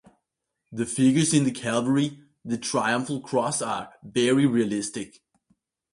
The figures on the Calvary (the triumphal cross) are very realistic.